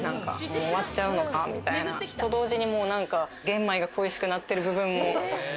もう終わっちゃうのかみたいな。と同時に玄米が恋しくなってる部分も。